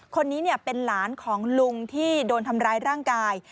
คนนี้เป็นหลานของลุงที่โดนทำร้ายร่างกาย